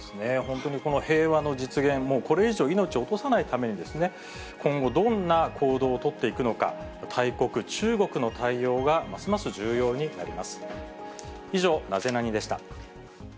本当にこの平和の実現、もうこれ以上、命を落とさないために、今後、どんな行動を取っていくのか、大国、中国の対応がますます重要になります。